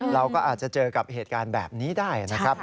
เราก็อาจจะเจอกับเหตุการณ์แบบนี้ได้นะครับ